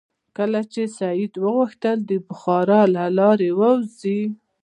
کله چې سید وغوښتل د بخارا له لارې ووځي.